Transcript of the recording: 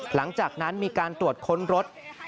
หลังจากนั้นมีการตรวจค้นรถ